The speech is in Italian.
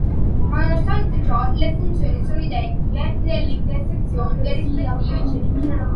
Ma nonostante ciò le funzioni sono identiche nelle intersezioni dei rispettivi cerchi.